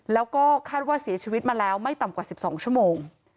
แล้วก็คาดว่าเสียชีวิตมาแล้วไม่ต่ำกว่า๑๒ชั่วโมง